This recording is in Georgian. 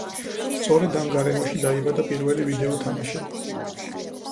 სწორედ ამ გარემოში დაიბადა პირველი ვიდეო თამაშები.